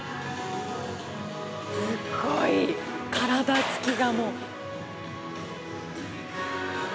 すごい、体つきがもう。